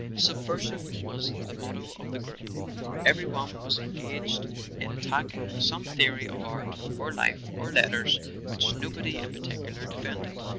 "Subversive" was the motto of the group. Every one was engaged in attacking some theory of art or life or letters which nobody in particular defended.